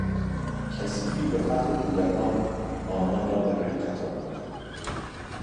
کثیفی و فقر کودکان، آنان را به رقت آورد.